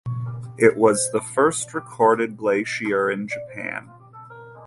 It was the first recorded glacier in Japan.